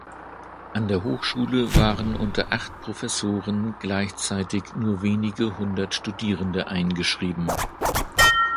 An der Hochschule waren unter acht Professoren gleichzeitig nur wenige hundert Studierende eingeschrieben.